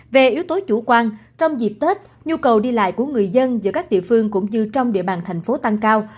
về yếu tố chủ quan trong dịp tết nhu cầu đi lại của người dân giữa các địa phương cũng như trong địa bàn thành phố tăng cao